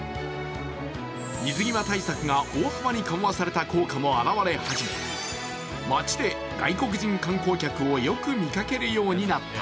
水際対策が大幅に緩和された効果も表れ始め、街で外国人観光客をよく見かけるようになった。